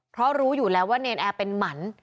เพราะรู้อยู่แล้วว่าเนรนแอร์เป็นหมัน